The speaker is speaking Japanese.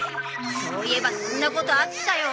そういえばそんなことあったよ。